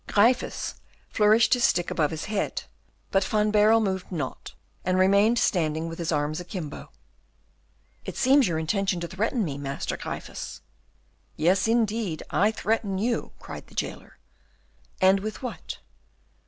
Gryphus flourished his stick above his head, but Van Baerle moved not, and remained standing with his arms akimbo. "It seems your intention to threaten me, Master Gryphus." "Yes, indeed, I threaten you," cried the jailer. "And with what?"